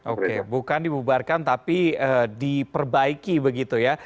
oke bukan dibubarkan tapi diperbaiki begitu ya